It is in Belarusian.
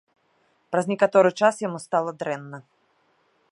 Праз некаторы час яму стала дрэнна.